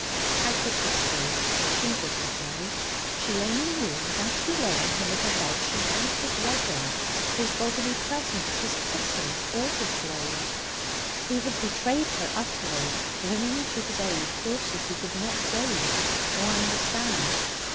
How could this be? She did not know. She only knew that as she lay in her little bed she wanted Reddin, his bodily presence, his kisses or his blows. He had betrayed her utterly, bringing to his aid forces he could not gauge or understand.